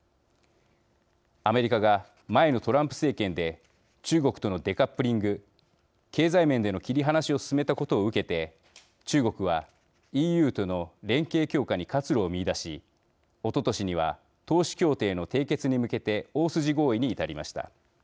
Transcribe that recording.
アメリカが前のトランプ政権で中国とのデカップリング経済面での切り離しを進めたことを受けて、中国はＥＵとの連携強化に活路を見いだしおととしには投資協定への締結に向けて大筋合意に至りました。